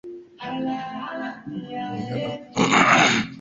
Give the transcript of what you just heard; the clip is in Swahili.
ungana nami mtayarishaji na mtangazaji wako